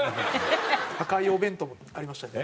破壊王弁当もありましたよね。